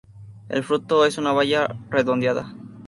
El fruto es una baya redondeada.